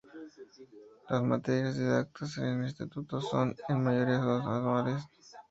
Las materias dictadas en el instituto son, en su mayoría, anuales.